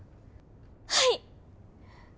はい！